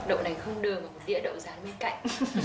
đậu nành không đường một đĩa đậu rán bên cạnh